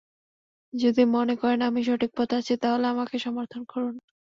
যদি মনে করেন আমি সঠিক পথে আছি, তাহলে আমাকে সমর্থন করুন।